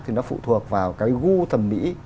thì nó phụ thuộc vào cái gu thẩm mỹ